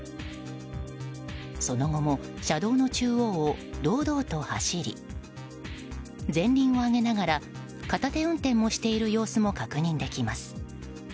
その後も車道の中央を堂々と走り前輪を上げながら片手運転をしている様子も確認できます。